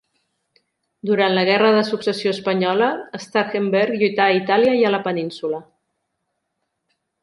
Durant la Guerra de Successió Espanyola Starhemberg lluità a Itàlia i a la Península.